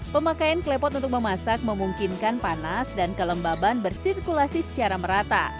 pemakaian klepot untuk memasak memungkinkan panas dan kelembaban bersirkulasi secara merata